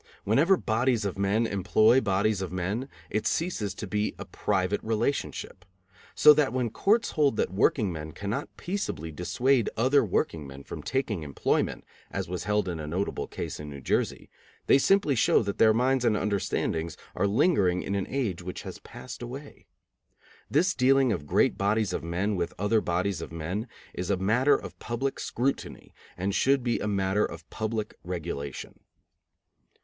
Whenever bodies of men employ bodies of men, it ceases to be a private relationship. So that when courts hold that workingmen cannot peaceably dissuade other workingmen from taking employment, as was held in a notable case in New Jersey, they simply show that their minds and understandings are lingering in an age which has passed away. This dealing of great bodies of men with other bodies of men is a matter of public scrutiny, and should be a matter of public regulation.